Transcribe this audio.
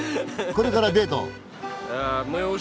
これからデート？